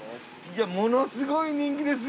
ものすごい人気ですね。